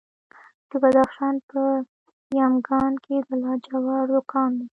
د بدخشان په یمګان کې د لاجوردو کان دی.